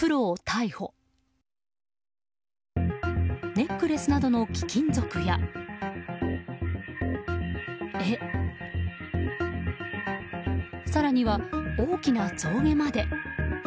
ネックレスなどの貴金属や、絵更には大きな象牙まで。